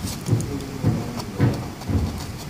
Tuḍen aṭṭan yewɛer.